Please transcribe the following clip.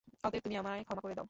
অতএব, তুমি আমায় ক্ষমা করে দাও।